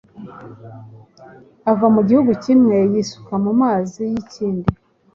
ava mu gihugu kimwe yisuka mu mazi y’ikindi.